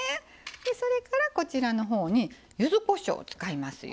それからこちらのほうにゆずこしょう使いますよ。